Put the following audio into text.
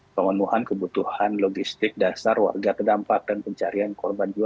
pemenuhan kebutuhan logistik dasar warga terdampak dan pencarian korban jiwa